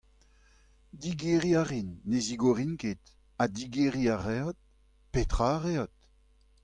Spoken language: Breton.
Digeriñ a rin, ne zigorin ket, ha digeriñ a reot, petra a reot.